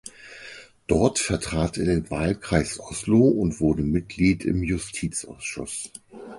Dort vertrat er den Wahlkreis Oslo und wurde Mitglied im Justizausschuss.